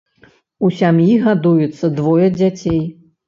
У сям'і гадуецца двое дзяцей.